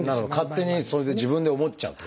勝手にそれで自分で思っちゃうという。